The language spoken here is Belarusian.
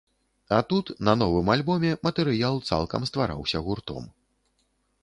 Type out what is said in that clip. А тут, на новым альбоме, матэрыял цалкам ствараўся гуртом.